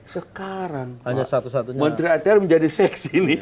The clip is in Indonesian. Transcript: sekarang pak menteri atr menjadi seks ini